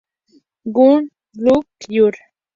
Jun-Jul, fr.